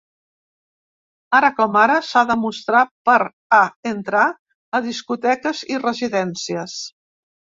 Ara com ara s’ha de mostrar per a entrar a discoteques i residències.